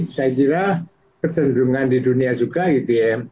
saya kira kecenderungan di dunia juga gitu ya